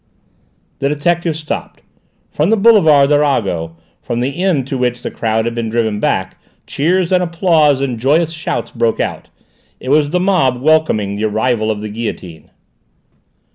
The detective stopped. From the boulevard Arago, from the end to which the crowd had been driven back, cheers and applause and joyous shouts broke out; it was the mob welcoming the arrival of the guillotine.